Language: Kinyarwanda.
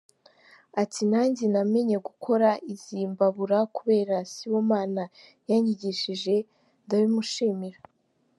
Ati “Nanjye namenye gukora izi mbabura kubera Sibomana yanyigishije, ndabimushimira.